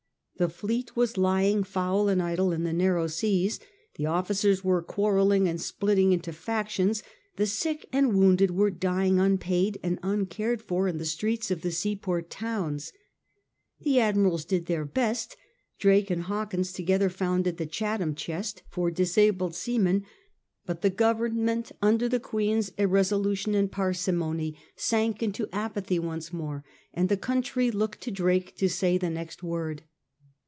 The fleet was lying foul and idle in the narrow seas ; the officers were quarrelling and splitting into factions ; the sick and wounded were dying unpaid and uncared for in the streets of the seaport towns. The admirals did their best. Drake and Hawkins together founded the "Chatham Chest" for disabled seamen, but the Government, under the Queen's 174 SIR FRANCIS DRAKE chap. irresolution and parsimony, sank into apathy once more, and the country looked to Drake to say the next word.